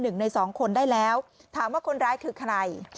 ๑ใน๒คนได้แล้วถามว่าคนร้ายคือใคร